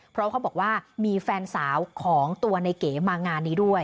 เพราะเขาบอกว่ามีแฟนสาวของตัวในเก๋มางานนี้ด้วย